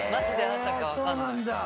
そうなんだ！